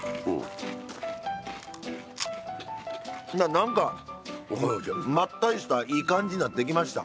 何かまったりしたいい感じなってきました。